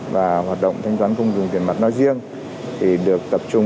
và hoạt động thanh toán không dùng tiền mặt nói riêng thì được tập trung